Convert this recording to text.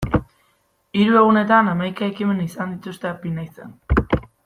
Hiru egunetan hamaika ekimen izan dituzte Apinaizen.